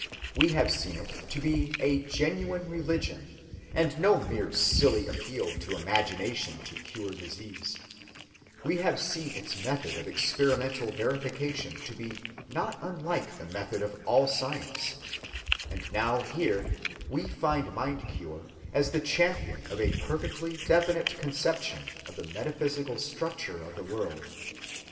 We have seen it to be a genuine religion, and no mere silly appeal to imagination to cure disease; we have seen its method of experimental verification to be not unlike the method of all science; and now here we find mind‐cure as the champion of a perfectly definite conception of the metaphysical structure of the world.